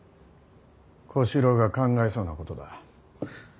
小四郎が考えそうなことだ。